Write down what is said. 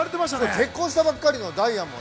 結婚したばかりのダイアンだね。